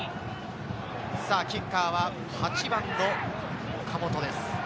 キッカーは８番の岡本です。